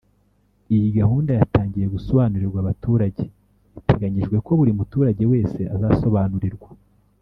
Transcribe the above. Iyi gahunda yatangiwe gusobanurirwa abaturage biteganyijwe ko buri muturage wese azasobanurirwa